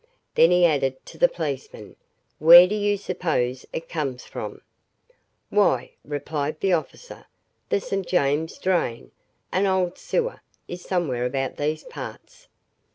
Then he added to the policeman, "Where do you suppose it comes from?" "Why," replied the officer, "the St. James Drain an old sewer is somewhere about these parts."